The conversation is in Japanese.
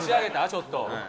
ちょっと。